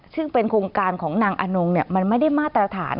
ซึ่งเป็นโครงการของนางอนงมันไม่ได้มาตรฐาน